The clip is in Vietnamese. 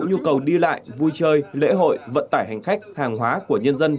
nhu cầu đi lại vui chơi lễ hội vận tải hành khách hàng hóa của nhân dân